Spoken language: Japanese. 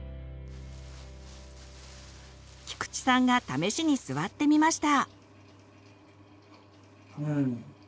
菊地さんが試しに座ってみました。